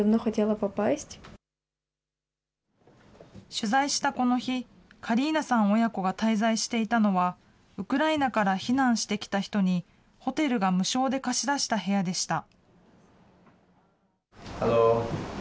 取材したこの日、カリーナさん親子が滞在していたのは、ウクライナから避難してきた人にホテルが無償で貸し出した部屋でした。